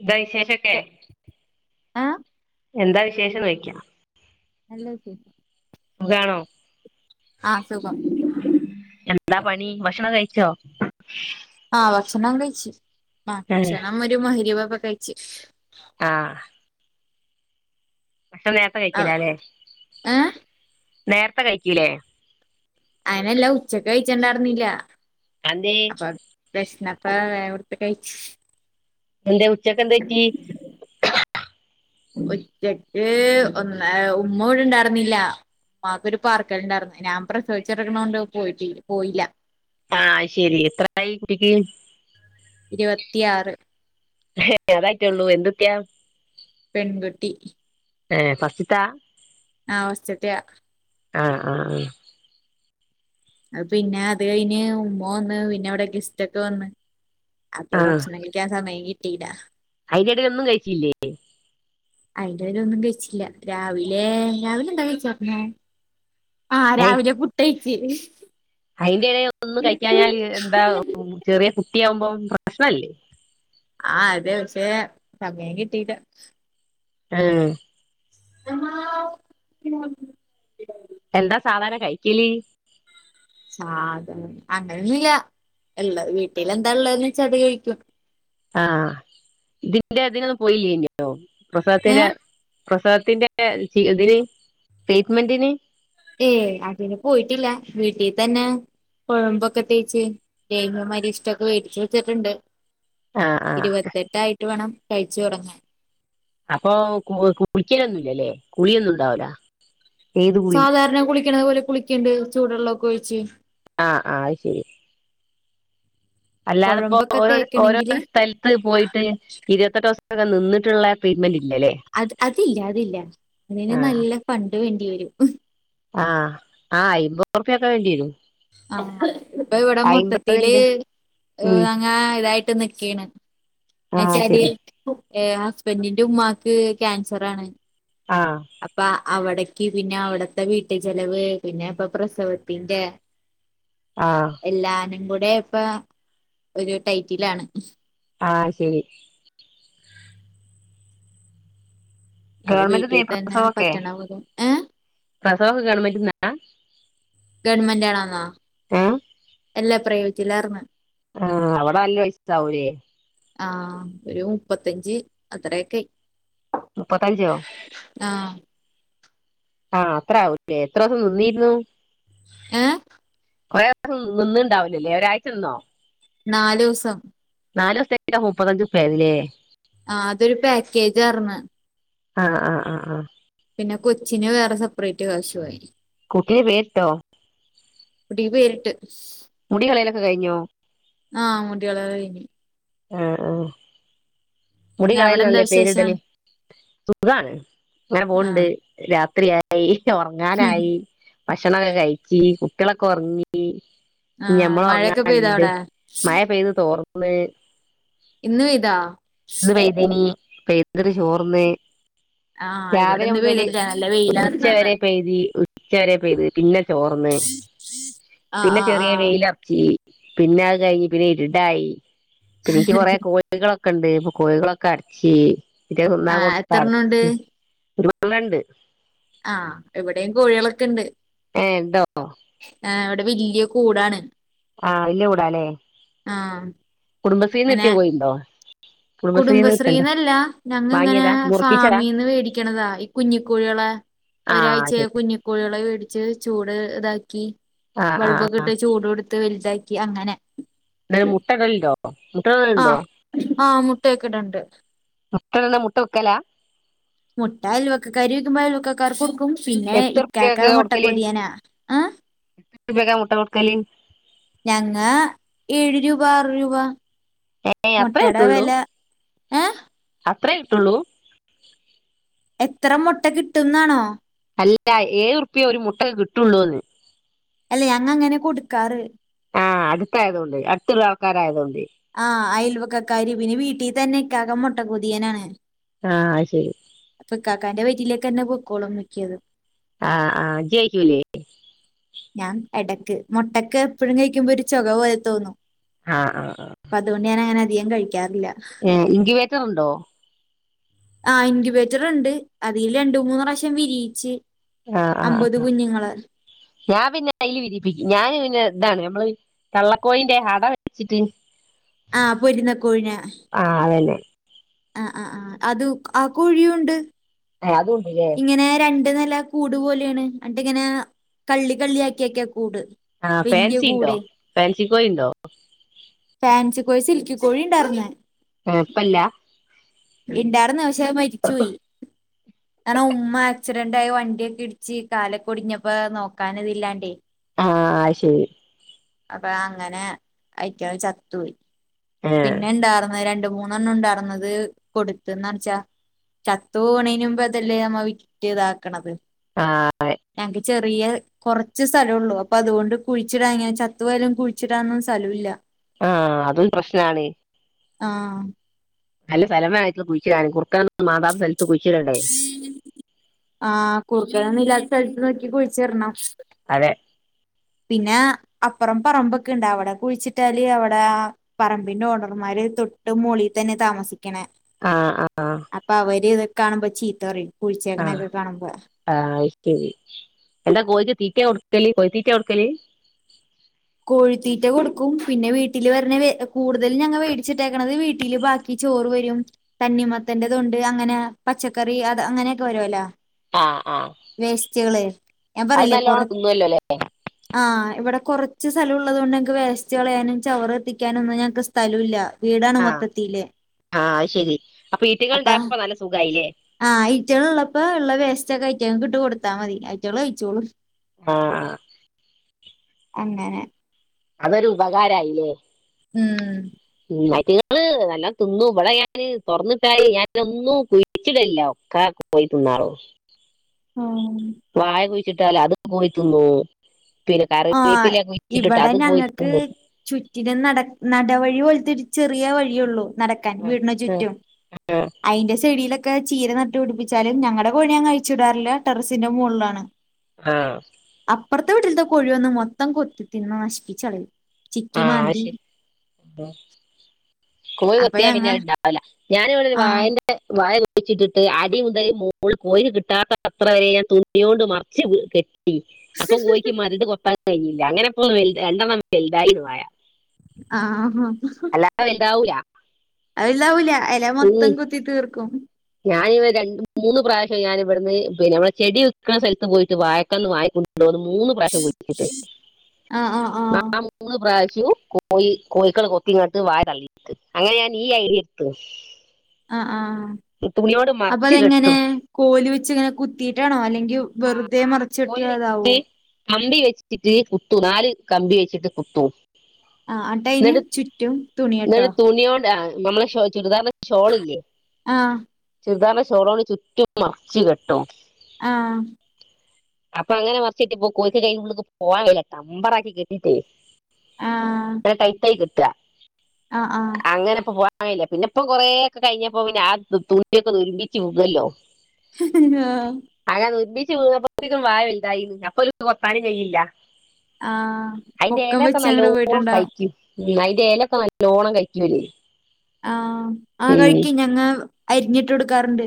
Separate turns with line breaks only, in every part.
എന്തായി വിശേഷഒക്കെ
ആഹ്
എന്താ വിശേഷം നോയ്ക്ക
നല്ല വിശേഷം
സുഖാണോ
ആ സുഖം
എന്താ പണി ഭക്ഷണം കഴിച്ചോ
ആ ഭക്ഷണം കഴിച്ചു ഭക്ഷണം ഒരു മഗ്രിബബ് കഴിച്ച്
ആ ഭക്ഷണം നേരത്തെ കഴിക്കിലല്ലേ
ഏഹ്
നേരത്തെ കഴിക്കൂലേ
അങ്ങനെയല്ല ഉച്ചയ്ക്ക് കഴിച്ചുണ്ടായിരുന്നില്ല
അതെന്തേ
അപ്പ അത് പ്രശ്നം ആപ്പൊ വേഗം എടുത്ത് കഴിച്ച്
എന്തെ ഉച്ചക്കെന്തുപറ്റി
ഉച്ചയ്ക്ക് ഒന്ന് ഉമ്മ ഇവിടെ ണ്ടാർന്നില്ല ഉമ്മക്കൊരു പാർക്കൽ ഉണ്ടായിരുന്നു ഞാൻ പ്രസവിച്ചു കെടക്കണോണ്ട് പോയിട്ടില്ല പോയില്ല
ആ അത് ശരി എത്രയായി കുട്ടിക്ക്
ഇരുപത്തിയാറ്
അതായിട്ടേ ഉള്ളൂ എന്തുട്ടിയ
പെൺകുട്ടി
ഏ ഫസ്റ്റ് ത്താ
ആ ഫസ്റ്റത്തയാ
ആ ആ ആ
അ പിന്നെ അത് കഴിഞ്ഞ് ഉമ്മ വന്ന് പിന്നെ ഇവിട ഗെസ്റ്റ് ഒക്കെ വന്ന് അപ്പ ഭക്ഷണം കൈക്കാൻ സമയം കി റ്റിടാ
അയിനിടെ ഒന്നും കഴിചില്ലേ
അയിന്റെടെ ഒന്നും കഴിച്ചില്ല രാവിലെ രാവിലെ എന്താ കയിച്ചർന്നു ആ
അയ്
രാവിലെ പുട്ട് ചിസ്സ്
ഏ ഒന്നും കയിക്കാഞ്ഞാൽ എന്താ ചെറിയ ട്ടി ആമ്പോ പ്രശ്നല്ലേ
ആ അതെ പക്ഷേ സമയം കിട്ടീല്ല
[unintelligible]
[unintelligible]
എന്താ സാധാർണ കഴിക്കല്
സാധ അങ്ങനെയൊന്നില്ല ഉള്ള വീട്ടിൽ എന്താ ഉള്ളേന്ന് വെച്ച അത് കഴിക്കും
ആ ഇതിന്റെ അതിനൊന്നും പോയില്ല്യെനു ഓ പ്രസവത്തിന്റെ
ഏഹ്
പ്രസവത്തിന്റെ ചി ഇതിന് ട്രീറ്റ്മെന്റിന്
ഏ അതിന് പോയിട്ടില്ല വീട്ടീ തന്ന കൊഴമ്പൊക്കെ തേച്ച് ലേഹിയം അരിഷ്ട്ടക്ക വേടിച്ച് വെച്ചിട്ടുണ്ട്
ആ ആ
ഇരുപത്തെട്ടായിട്ട് വേണം കയി ച്ചു തുടങ്ങാൻ
അപ്പൊ കു കുളിക്കലൊന്നും ഇല്ലല്ലേ കുളിയൊന്നും ഉണ്ടാവൂല്ല
സാധാരണ കുളിക്കണതുപോലെ കുളി ക്കെയിണ്ട് ചൂഡോള്ളോക്ക ഒഴിച്ച്
ആ ആ ആയിശേരി അല്ലാതിപ്പോ
കൊഴമ്പൊക്കെ
ഓരോരോ ഓരോരോ
തേക്കണെങ്കില്
സ്ഥലത്ത് പോയിട്ട് ഇരുവത്തെട്ട് ദിവസ നിന്നട്ടിള്ള ആ ട്രീറ്റ്മെന്റ് ഇ
അത് അതില്ല അതില്ല അതിന്
ആ
നല്ല ഫണ്ട് വേണ്ടി വരും ഹും
ആ ആ അയിമ്പത് റുപിയക്ക വേണ്ടിവരും
ആ ഇപ്പൊ ഇവിടെ മൊത്തത്തില്
അയ്മ്പത്ണ്ട് ഉം
അങ്ങ് ഇതായി ഇട്ട് നിക്കിണ്
ആ
എച്ചരി
ശരി
ഏ ആ പെന്നിന്റെ ഉമ്മാക്ക് ക്യാൻസർ ആണ്
ആ
അപ്പാ അവിടെ- ക്ക് പിന്നെ അവിടുത്തെ വീട്ട് ചെലവ് ഇപ്പം പ്രസവത്തിന്റെ-
ആ
എല്ലാരും കൂട്- കെ ഇപ്പം ഒരു ടൈറ്റിൽ ആണ്
ആശരി
അത്
ഗവൺമെന്റ്ന്നെ
വീട്ടിൽ തന്നെ
പ്രസവൊക്കെ
പറ്റണപോലെ ഏ
പ്രസവൊക്കെ ഗവൺമെൻറ് തന്നാ-
ഗവൺമെൻറ് ആണെന്നോ
ഏ
എല്ലാ പ്രൈവറ്റിൽ ആയിർന്നു
ആ അവിടെ നല്ലൊരു പൈസ ആവൂല്ലേ-
ആ ഒരു മുപ്പത്തഞ്ച് അത്രയൊക്കെ ആയി-
മുപ്പത്തഞ്ചോ
ആഹ്
ആ അത്രയാവും ഇല്ലേ എത്ര ദിവസം നിന്നിരുന്നു-
ഏ
ഓര് എത്ര നിന്നിട്ടുണ്ടാവില്ലല്ലേ ഒരാഴ്ച നിന്നോ-
നാലുസം -
നാലുദിവസത്തേക്കാ മുപ്പത്തഞ്ച് റുപ്പി ആയല്ലേ-
ആ അതൊരു പാക്കേജ് ആർന്ന്
ആ ആആ അ
പിന്നെ കൊച്ചിന് വേറെ സെപ്പറേറ്റ് കാശുമായി
കുഞ്ഞിന് പേരിട്ടോ
കുട്ടിക്ക് പേരിട്ട്
മുടികളയലൊക്കെ കഴിഞ്ഞോ
ആ മുടി കളയല്ല് കഴിഞ്ഞു
ആ ആ
പിന്നെ അവിടെ എന്താ
മുടികളയലിന്നല്ലേ
വിശേഷം
പേരിടല് സുഖാണ് അങ്ങനെ
ആ
പോണുണ്ട് രാ ബിരിയാണി പിന്നെ ഉറങ്ങാനായി ഭക്ഷണം ഒക്കെ കഴിച്ച് കുട്ടികളൊക്കെ ഒറങ്ങി-
ആ
നമ്മൾ
മഴയൊക്കെ
ഉറങ്ങാൻ
പെയ്തോ
ഉണ്ട്
അവിടെ
മഴ പെയ്തു തോർന്നു [unintelligible]
ഇന്ന് പെയ്തോ
ഇന്ന് പെയ്തീനി- പെയ്തത് ചോർന്ന്-
ആ
രാവിലെ
ഇവിടെന്ന്
മുതൽ
പെയ്തിട്ടില്ല നല്ല വെയിലാർന്ന് ഇന്ന്
ഉച്ചവരെ പെയ്തി ഉച്ചവരെ പെയ്തുപിന്നെ തോർന്ന്
ആ
പിന്നെ
ആ
ചെറിയ
ആ
വേലി ഉദിച്ചു പിന്നെ അത് കഴിഞ്ഞു പിന്നെ ഇരുട്ടായി- എനിക്ക് വകറെ കോഴികളൊ ക്കെണ്ട് അപ്പം കോഴികളെയൊക്കെ അടച്ച്
ആ
തിന്നാൻ കൊടുത്ത് അടച്ച്
എത്രണ്ണണ്ട്
[unintelligible]
ഇവിടേം കോഴികളൊക്കെ ഉണ്ട്
ഏഹ് ഉണ്ടോ
ഏഹ് അവിടി വല്യ കൂടാണ്
ആഹ് വല്യ കൂടാ അല്ലെ
ആഹ്
കുടുംബത്തിന് കിട്ടിയ കോയിയുണ്ടോ
കുടുംബശ്രീന്ന് അല്ല ഞങ്ങ ഇങ്ങനെ
വാങ്ങിയതാ മുറിപ്പിച്ചതാ
ഫാമിന്ന് വെടിക്കണതാ ഈ കുഞ്ഞി കോഴികളെ
ആ
ഒരാഴ്ച്ച ആയ
ശരി
കുഞ്ഞി കോഴികളെ വെടി ചൂട് ഇതാക്കി
ആ ആ
ബൾബ് ഒക്കെ ഇട്ട് ചൂട് കൊടുത്ത് വല്താക്കി അങ്ങനെ
അത് മുട്ടകൾ ഉണ്ടോ മുട്ടകൾ ഉണ്ടോ
ആഹ് ആഹ് മു ട്ട ഒക്കെ ഇടാണ്ട്
മുട്ടകൾ മുട്ട വിക്കല
മുട്ട അയൽവക്കക്കാർ ചോയിക്കുമ്പോ അയൽവക്കകാർക്ക് കൊടുക്കും പിന്നെ
എത്ര റുപ്യക്ക്
ഇക്കാക്ക മുട്ട കൊതിയനാ ആഹ്
പക്കാ മെട്ട വെക്കല്
ഞങ ഏഴു രൂപ ആറ് രൂപ
ഏഹ് അത്ര
മുട്ടയുടെ
കിട്ടുള്ളു
വില ഏഹ്
അ അത്രേ കിട്ടുള്ളു
എത്ര മെട്ട കിട്ടും എന്ന് ആണോ
അല്ല ഏഴു റുപ്പിയെ ഒരു മുട്ടയ്ക്ക് കിട്ടുള്ളുന്ന്
അല്ല ഞങ്ങ അങ്ങനെ കൊടുക്കാറ്
ആഹ് അടുത്ത് ആയത് കൊണ്ട് അടുത്തുള്ള ആൾക്കാർ ആയത് കൊണ്ട്
ആഹ് അയിൽവക്കാക്കാര് പിന്നെ വീട്ടി തന്നെ ഇക്കാക്ക മുട്ട കൊതിയൻ ആണ്
ആഹ് അയ് ശരി
പ്പോ ഇക്കാക്കന്റെ വയിറ്റിലേക്ക് തന്നെ പൊക്കോളും മിക്കതും
ആഹ് ആഹ് ജ്ജ് കയിക്കുലെ
ഞാ എടക്ക് മുട്ടക്കെ എപ്പഴും കയിക്കുമ്പോ ഒരു ചൊക പോലെ തോന്നും
ആഹ് ആഹ് ആഹ്
അപ്പോ അതുകൊണ്ട് ഞാൻ അങ്ങനെ ധികം കഴിക്ക ക്കറില്ല
റ്റ ഉണ്ടോ
ആഹ് ഇൻക്വിവെറ്റർ ഒണ്ട് അതിൽ രണ്ട് മുന്ന് പ്രാവിശ്യം വിരിയിച്ച്
ആഹ്
അമ്പത്
ആഹ്
കുഞ്ഞുങ്ങള്
ഞാൻ പിന്നെ ആയി വിരിപ്പിക്കും ഞാൻ പിന്നെ ഇതാണ് നമ്മൾ തള്ള കോയിന്റെ അട വെപ്പിച്ചിട്ട്
ആഹ് പൊരുന്നക്കുഴ്ന
അതന്നെ
അ അ ആ അത് ആ കോഴിയും ഉണ്ട്
ഏഹ് അതുണ്ട്ല്ലേ
ഇങ്ങനെ രണ്ട് നി ആ കൂടു പോലെയാണ് അണ്ട് ഇങ്ങന കള്ളി കള്ളിയാക്കിവെക്ക
ആഹ് പെയാൻസി ഇണ്ടോ പെയാൻ ചിക്കോഴി ഒണ്ടോ
അൻസി കോസ് സിൽക്കി കോഴി ഉണ്ടായിരുന്ന്
ഏഹ് ഇപ്പല്ല
ഇണ്ടായിരിന്ന് പശ് മരിച്ചു പോയി ആണോ ഉമ്മ ആക്സിഡന്റായി വണ്ടിയൊക്കെ ഇടിച്ച് കാലൊക്കെ ഒടിഞ്ഞപ്പോ നോക്കാൻ ഇത് ഇല്ലാണ്ടേ
ആഹ് ആ ശരി
അപ്പൊ അങ്ങനെ അയിക്ക ചത്തുപോയി
ഏഹ്
പിന്നെ ഇണ്ടായിർന്ന രണ്ട് മൂന്നെണ്ണം ഉണ്ടാർന്നത് കൊടുത്ത്ന്ന്ച്ചാ ചത്തുപോണേനുമ്പ് അതല്ലേ നമ്മ വിറ്റ് ഇതാക്കണത്
ആഹ്
ഞങ്ങക്ക് ചെറിയ കൊറച്ച് സ്ഥലുള്ളൂ അപ്പൊ അതുകൊണ്ട് കുഴിച്ചിടാങ്ങ ചത്തുപോയാലും കുഴിച്ചിടാനൊന്നും സ്ഥലം ഇല്ല
ആഹ് അതും പ്രശ്നാണ്
ആഹ്
നല്ല സ്ഥലം വേണം കുഴിച്ചിടാൻ കുറുക്കാൻ മാന്തത്ത സ്ഥ
ആഹ് കു ഈറൻ ഇല്ലാത്ത സ്ഥലത്ത് നോക്കി കുഴിച്ചിടണം
അതെ
പിന്നാ അപ്പുറം പറമ്പൊക്കെ ഇണ്ട് അവിടെ കുഴിച്ചിട്ടാല് അവിടാ പറമ്പിന്റെ ഓണർമാര് തൊട്ട് മോളി തന്നാ താമസി ക്കണേ
ആഹ് ആഹ്
അപ്പൊ അവര് ഇതൊ കാണുംമ്പ ചീത്ത പറയും
ആഹ്
കുഴിച്ചേക്കണൊക്കെ കാണുമ്പോ
ആ അയ്ശെരി എന്താ കോഴിക്ക് തീറ്റ കൊ ക്കല് കോഴി തീറ്റ കൊടുക്കല്
കോഴിത്തീറ്റ കൊടുക്കും പിന്നെ വീട്ടില് വെരണ വേ കൂടുതൽ ഞങ്ങൾ വേടിച്ചിട്ടെക്കണത് വീ വീട്ടിൽ ബാക്കി ചോറ് വരും തന്നിമത്തന്റത്തുണ്ട് അങ്ങന പച്ചക്കറി അത് അങ്ങനെയക്ക വരുവല്ലാ
ആ ആ
ചേള്ള് ഞാൻ പറയില്ലേ കൊറ
അല്ലേ
ആ ഇവിടെ കൊറച്ച് സ്ഥലം ഉള്ളത് കൊണ്ട് ഞങ്ങക്ക് വേസ്റ്റ് കളയാനും ചവറ് കത്തിക്കാനൊന്നും ഞങ്ങക്ക് സ്ഥലമില്ല വീടാണ്
ആഹ്
മൊത്തത്തില്
ആഹ് അത് ശരി അപ്പൊ ഈറ്റകൾ
അപ്പ
ഉണ്ടായപ്പോ നല്ല സുഖായില്ലേ
ആ ഈറ്റേ ള് ഇള്ളപ്പോ ഇള്ള വേസ്റ്റൊക്കെ ട്ട് കൊടുത്താ മതി അയ്റ്റകള് കയ്ച്ചോളൂം
ആഹ് ആഹ്
അങ്ങനെ
അതൊരു ഉപകാരായി ല്ലേ
ഉം
അയിറ്റിങ്ങള് വല്ലോം തിന്നും ഇവിടെ ഞാന് തുറന്നിട്ടാല് ഞാൻ ഒന്നും പിടിച്ചിടലില് ഒക്കെ പോയി തിന്നുള്ളും
ആ
ച്ചിട്ടാൽ അത് പോയി തിന്നും
ആ ഇവിടെ ഞങ്ങൾക്ക്
തിന്ന്
ചുറ്റിനും നാട ന നടവഴി പോലത്തെ ചെറിയ ഒരു വഴിയേയുള്ളു നടക്കാൻ വീട്ടിന്
ആഹ്
ചുറ്റും അതിന്റെ സൈഡിലൊക്കെ ക്കെ ചീര നട്ട് പിടിപ്പിച്ചാലും ഞങ്ങടെ കോഴിനെ അഴിച്ച് വിടാറില് ടെറസിന്റെ മേളില് ആണ്
ആ
കോഴി വന്ന് മൊത്തം കൊത്തി തിന്ന് നശിപ്പിച്ച് കളയും
ആ അത് ശരി കോഴി
അപ്പൊ
കൊത്തിയാൽ
ഞങ്ങ
പിന്നെ അത് ഇണ്ടാവില്ല ഞാൻ ഇവിടെ ഒരു
ആഹ്
വാഴേന്റെ വാഴ കു ച്ചിട്ടി [unintelligible] ട്ട് അടി മുതൽ മോള് വരെ കോഴി കിട്ടാത്തവരെ അത്രവരെ തുണി കൊണ്ട് മറച്ച് കെ- അപ്പോ കോഴിക് മരട് കൊത്തി- കഴിയില്ല അങ്ങനെ ഇപ്പോൾ രണ്ടെണ്ണ വലുതായി തായി വാഴ
അ അ
അല്ലാതെ വലുതാവൂല
വലുതാവൂല ഇല മൊത്തം കൊത്തി തീർക്കും
ഞാൻ ഇവിടെ രണ്ട് മൂന്ന് പ്രാവശ്യം ഞാൻ ഇവിടുന്ന് നമ്മട ചെടി വിക്കണ സ്ഥലത്ത പോയി വാഴക്കന്ന് വാങ്ങിക്കൊ- രണ്ടു വന്നു മൂന്ന് പ്രാവിശ്യം കുഴിച്ചിടത്
ആഹ് ആഹ് ആഹ്
ആ മൂന്ന് പ്രാവിശ്യം കോഴി കോഴിക്കള് കൊത്തി ഇങ്ങട്ട് വാഴ തള്ളിയിട്ട് അങ്ങനെ ഞാൻ ഈ ഐഡിയ എടുത്ത്
അ ആ അപ്പ അതെങ്ങനെ
കെട്ടും
കോല് വച്ചിങ്ങനെ കുത്തിയിട്ടാണോ അല്ലങ്കിൽ വെറുതെ മറച്ച് കെട്ടിയാ അതാകുമോ
കമ്പിവെച്ചിട്ട് കുത്തും നാല് കമ്പി വെച്ചിട്ട് കുത്തും
ആ ആട്ട് അതിന് ചുറ്റും തുണി കെട്ടുമോ
നമ്മടെ ചുരിദാറിന്റെ ഷോളില്ലേ
ആ
ചുരിദാറിന്റെ ഷോളു കൊണ്ട് ചുറ്റും മറച്ച് കെട്ടും
അ
ആ അപ്പോ അങ്ങനെ മറച്ച് കൊട്ടിയാൻ കോഴിക്ക് അതിന്റെ ഉള്ളിലേക്ക് പോകാൻ കഴിയല്ല ടെമ്പറാക്കി കെട്ടിട്ടെ
ആ
ആങ്ങനെ ടൈറ്റാ-
ആ ആ
അങ്ങനെപ്പൊ പോവാൻ ആയില്ല പിന്നെപ്പൊ കൊറേ ഒക്കെ കഴിഞ്ഞപ്പോ പിന്നെ ആ തു തൂറ്റിയൊക്കെ തുരുമ്പിച്ച് [unintelligible]
ആഹ്
[unintelligible]
ആഹ്
അതിന്റെ
പൊക്കം
ഇലയൊക്കെ
വെച്ചങ്ങട്
നല്ലോണം
പോയിട്ടുണ്ടാവും
കഴിക്കും ഉം അയിന്റെ എലൊക്കെ നല്ലോണം കഴിക്കുവിര്
ആഹ് ആ കഴിക്കും ഞങ്ങ അരിഞ്ഞിട്ട് ഇട്ട് കൊടുക്കാറുണ്ട്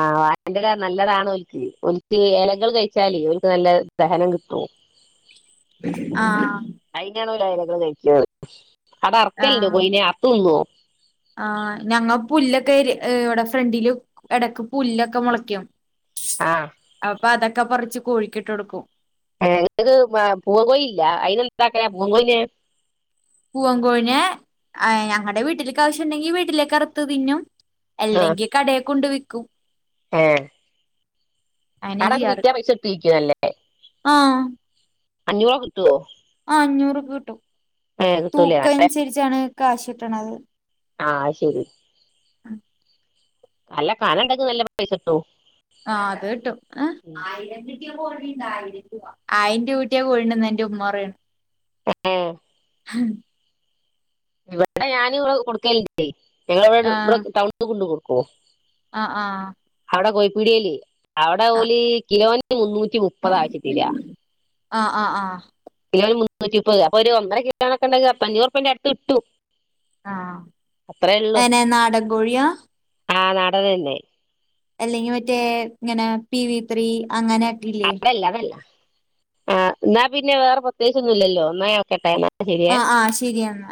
ആഹ് എന്റെ കർ നല്ലതാണ്ഓല്ക്ക് ഓല്ക് എലകൾ കഴിച്ചാല് ഓരിക്ക് നല്ല ദഹനം കിട്ടും
ആഹ്
ഇലകള് കഴിക്കുവോ അടെ
ആ
അറക്കലുണ്ടോ കോയിനെ അറത്ത് തിന്നോ
ആ ഞങ്ങ പുല്ലൊക്കെ ഇവിടെ ഫ്രണ്ടില് എടക്ക് പുല്ലൊക്കെ മൊളക്കും
ആഹ്
അപ്പ അതൊക്ക ഒക്കെ പറിച്ച് കോഴിക്കിട്ട് കൊടുക്കും
ഏ ഇങ്ങക്ക് പൂവൻ കോഴില്ല അയിന് എന്താക്കണ പൂവൻ കോഴിനെ
പൂവൻ കോഴിനെ ഞങ്ങടെ വീട്ടിലക്കാവശ്യംണ്ടെങ്കിൽ വീട്ടിലേക്കറുത്ത് തിന്നും
ആഹ്
അല്ലെങ്കിൽ കടേ കൊണ്ട് വിക്കും ക്കും
ഏഹ്
അങ്ങനെ
ആടൊക്കെ വിറ്റ പൈസ കിട്ടു വെരിക്കുവല്ലേ
ആഹ്
അഞ്ഞുറൊക്കെ കിട്ടോ
അഞ്ഞൂറ് കിട്ടും
കിട്ടൂലേ ആഹ്
തൂക്കനുസരിച്ചാണ് കാശ് കിട്ടണത്
ആഹ അത് ശരി നല്ല കന ഇണ്ടങ്കിൽ നല്ല പൈസ കിട്ടു
ആഹ് അത് കിട്ടും ആയിരം രൂപ കിട്ടിയ കോഴി ഉണ്ടെന്ന എന്റെ ഉമ്മ പറയണേ
ഏഹ് ഇവിടെ ഞാന് ഇവളും കൊടുകല്ണ്ടെ ഞങ്ങളവിടെ ഇവിടെ
ആഹ്
ടൗണിൽ കൊണ്ട് പോകും കു
ആഹ് ആഹ്
ഇവിടെ കോഴിപിടിയെലെ അവിടെ ഒരു കിലോ - മുന്നൂറ്റി മുന്നൂറ്റിമുപ്പത് ആക്കി തരിക
ആഹ് ആഹ് ആഹ് ആഹ്
[unintelligible] മുന്നൂറ്റി മുപ്പത് അപ്പൊ ഒരുഒന്നര കിലോ ഒക്കെ ഉണ്ടെങ്കിൽ അഞ്ഞൂറ് രൂപായറ്റൈ അടുത്ത [unintelligible]
ആ ആ എങ്ങനെ നാടൻ കോഴിയ
ആ നാടൻ തന്നെ
അല്ലെങ്കിൽ മറ്റേ ഇങ്ങനെ [unintelligible] അങ്ങനെ ഒക്കെ ഇല്ലേ
അതല്ല അതല്ല ആ എന്നാ പിന്നെ വേറേ പ്രത്യേകിച്ച് ഒന്നും ഇല്ലല്ലോ എന്നാ ഞാൻ വെക്കയിട്ടേ എന്നാ ശരിയേ
ആ ആ ശരി എന്നാ